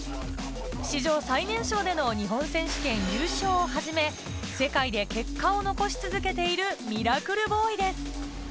史上最年少での日本選手権優勝をはじめ、世界で結果を残し続けている、ミラクルボーイです。